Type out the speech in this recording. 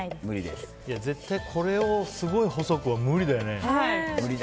絶対これをすごい細くは無理だよね。